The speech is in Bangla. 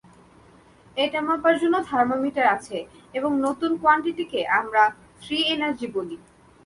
এটা মাপার জন্য থার্মোমিটার আছে এবং নতুন কোয়ান্টিটিকে আমরা ফ্রি এনার্জি বলি।